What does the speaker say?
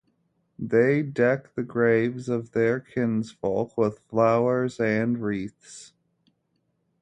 They deck the graves of their kinsfolk with flowers and wreaths.